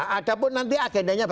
ada pun nanti agendanya